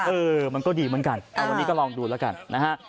เออมันก็ดีเหมือนกันวันนี้ก็ลองดูแล้วกันนะฮะ